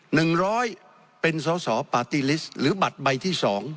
หนึ่งร้อยเป็นสอสอปาร์ตี้ลิสต์หรือบัตรใบที่สอง